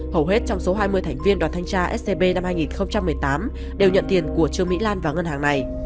hầu hết trong số hai mươi thành viên đoàn thanh tra scb năm hai nghìn một mươi tám đều nhận tiền của trương mỹ lan vào ngân hàng này